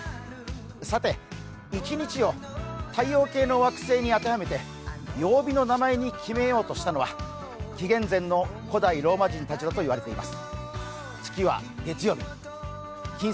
さて、１日を太陽系の惑星に当てはめて曜日の名前に決めようとしたのは紀元前の古代ローマ人たちだといわれています。